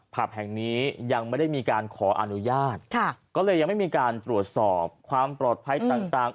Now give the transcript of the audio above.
ผับแห่งนี้ยังไม่ได้มีการขออนุญาตค่ะก็เลยยังไม่มีการตรวจสอบความปลอดภัยต่าง